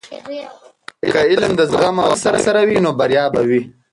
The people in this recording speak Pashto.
که علم د زغم او عمل سره وي، نو بریا به وي.